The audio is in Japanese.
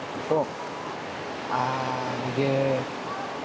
そう。